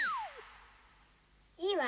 いいわ。